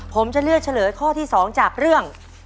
ผมจะเลือกเฉลยข้อที่๒จากเรื่อง